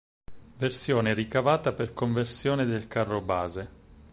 Versione ricavata per conversione del carro base.